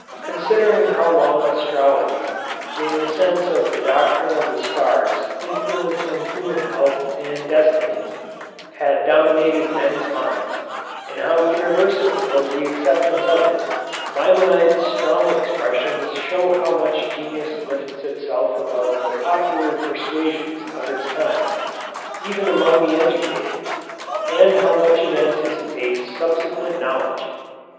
Considering how long astrology, in the sense of the doctrine of the stars influencing human health and destinies, had dominated men's minds, and how universal was the acceptance of it, Maimonides' strong expressions show how much genius lifts itself above the popular persuasions of its time, even among the educated, and how much it anticipates subsequent knowledge.